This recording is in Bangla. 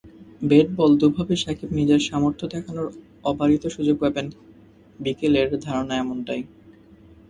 ব্যাট-বল দুভাবেই সাকিব নিজের সামর্থ্য দেখানোর অবারিত সুযোগ পাবেন, বিকেলের ধারণা এমনটাই।